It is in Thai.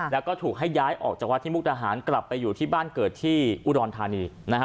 แล้วก็ถูกให้ย้ายออกจากวัดที่มุกดาหารกลับไปอยู่ที่บ้านเกิดที่อุดรธานีนะฮะ